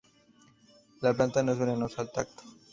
La planta no es venenosa al tacto.